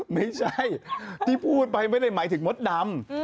ไม่ใช่ที่พูดไปไม่ได้หมายถึงมดดำ